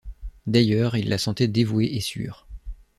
D’ailleurs il la sentait dévouée et sûre.